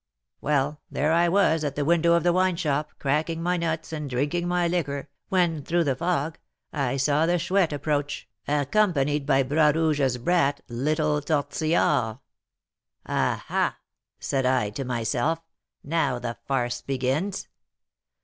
Well, there I was at the window of the wine shop, cracking my nuts and drinking my liquor, when, through the fog, I saw the Chouette approach, accompanied by Bras Rouge's brat, little Tortillard. 'Ah, ah!' said I to myself, 'now the farce begins!'